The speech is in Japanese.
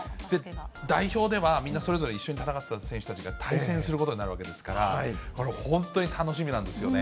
代表ではみんなそれぞれ一緒に戦った選手たちが対戦することになるわけですから、これ、本当に楽しみなんですよね。